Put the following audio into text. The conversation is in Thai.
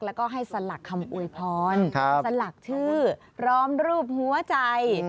แล้วก็ให้สลักคำอวยพรสลักชื่อพร้อมรูปหัวใจ